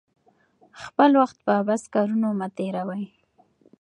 خپل وخت په عبث کارونو مه تیروئ.